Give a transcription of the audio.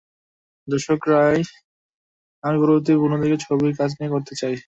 দর্শকের রায় নিয়েই আমি পরবর্তী পূর্ণদৈর্ঘ্য ছবির কাজ শুরু করতে চাই।